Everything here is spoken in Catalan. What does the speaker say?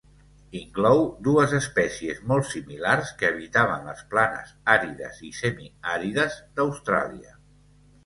Inclou dues espècies molt similars que habitaven les planes àrides i semiàrides d'Austràlia.